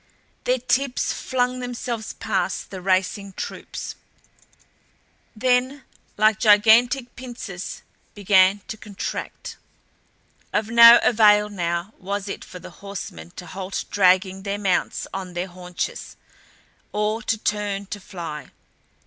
Their tips flung themselves past the racing troops; then like gigantic pincers began to contract. Of no avail now was it for the horsemen to halt dragging their mounts on their haunches, or to turn to fly.